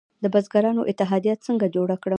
د بزګرانو اتحادیه څنګه جوړه کړم؟